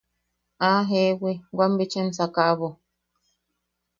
–¡Ah, jewi! wam bicha em sakaʼabo.